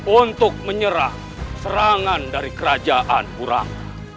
untuk menyerah serangan dari kerajaan kurang